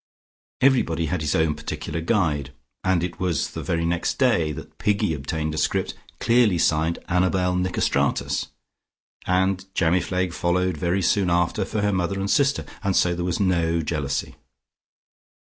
Everybody had his own particular guide, and it was the very next day that Piggy obtained a script clearly signed Annabel Nicostratus and Jamifleg followed very soon after for her mother and sister, and so there was no jealousy.